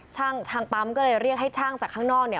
ทางปั๊มก็เลยเรียกให้ช่างจากข้างนอกเนี่ย